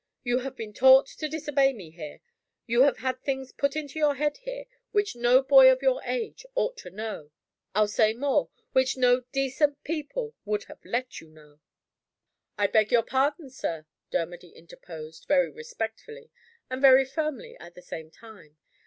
You have been taught to disobey me here. You have had things put into your head, here, which no boy of your age ought to know I'll say more, which no decent people would have let you know." "I beg your pardon, sir," Dermody interposed, very respectfully and very firmly at the same time.